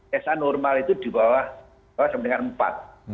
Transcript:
psa normal itu di bawah